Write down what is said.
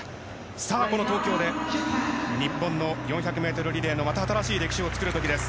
さあ、この東京で日本の４００ｍリレーの新しい歴史を作る時です。